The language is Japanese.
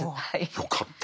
よかった。